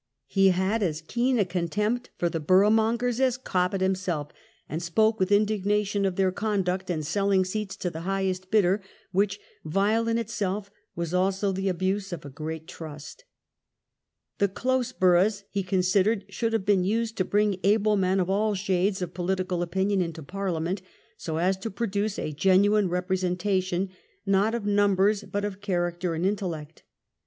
He had as keen a contempt for the " boroughmongers " as Cobbett himself, and spoke with indignation of their conduct in selling seats to the highest bidder, which, vile in itself, was also the abuse of a great trust The close boroughs, he considered, should have been used to bring able men of all shades of political opinion into Parliament, so as to produce a genuine representation, not of numbers but of character and intellect.